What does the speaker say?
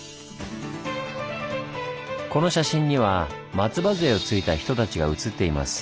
この写真には松葉づえをついた人たちが写っています。